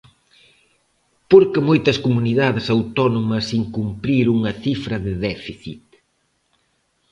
¿Por que moitas comunidades autónomas incumpriron a cifra de déficit?